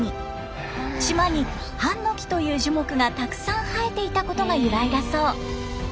島にハンノキという樹木がたくさん生えていたことが由来だそう。